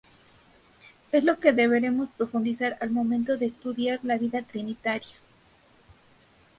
Es lo que deberemos profundizar al momento de estudiar la vida trinitaria.